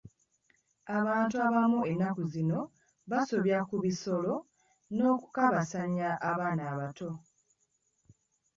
Abantu abamu ennaku zino basobya ku bisolo n'okukabasanya abaana abato.